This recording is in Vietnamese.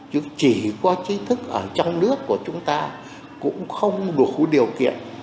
chứ chỉ có trí thức ở trong nước của chúng ta cũng không đủ điều kiện